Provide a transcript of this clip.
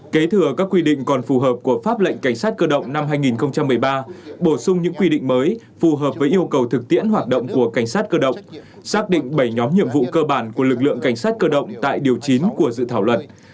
kế thừa các quy định còn phù hợp của pháp lệnh cảnh sát cơ động năm hai nghìn một mươi ba bổ sung những quy định mới phù hợp với yêu cầu thực tiễn hoạt động của cảnh sát cơ động xác định bảy nhóm nhiệm vụ cơ bản của lực lượng cảnh sát cơ động tại điều chín của dự thảo luật